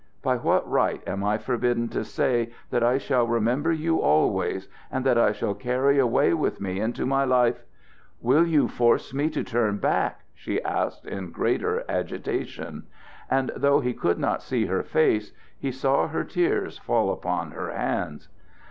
By what right am I forbidden to say that I shall remember you always, and that I shall carry away with me into my life " "Will you force me to turn back?" she asked in greater agitation; and though he could not see her face, he saw her tears fall upon her hands.